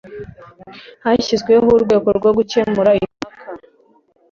hashyizweho urwego rwo gukemura impaka